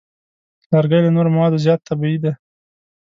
لرګی له نورو موادو زیات طبیعي دی.